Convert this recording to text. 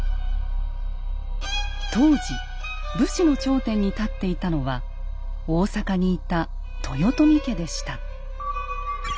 当時武士の頂点に立っていたのは大坂にいた豊臣家でした。